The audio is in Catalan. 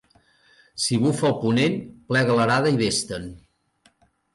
Si bufa el ponent, plega l'arada i ves-te'n.